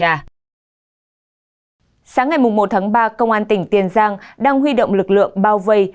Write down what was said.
sáng ngày một tháng ba công an tỉnh tiền giang đang huy động lực lượng bao vây